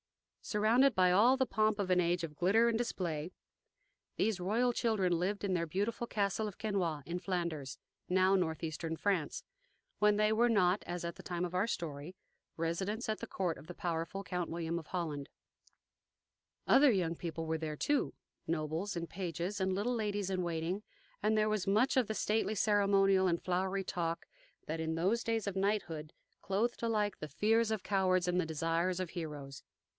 Surrounded by all the pomp of an age of glitter and display, these royal children lived in their beautiful castle of Quesnoy, in Flanders,(1) when they were not, as at the time of our story, residents at the court of the powerful Count William of Holland. (1) Now Northeastern France. Other young people were there, too, nobles and pages and little ladies in waiting; and there was much of the stately ceremonial and flowery talk that in those days of knighthood clothed alike the fears of cowards and the desires of heroes.